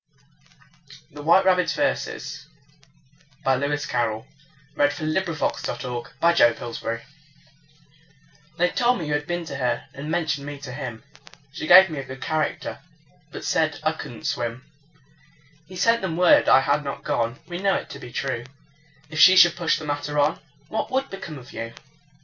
te Rabbit's Verses, by Lewis Carroll THE WHITE RABBIT'S VERSES by: Lewis Carroll (1832 1898) HEY told me you had been to her, And mentioned me to him; She gave me a good character, But said I could not swim. He sent them word I had not gone. (We know it to be true.) If she should push the matter on, What would become of you?